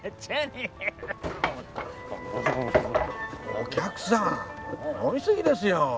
お客さん飲み過ぎですよ。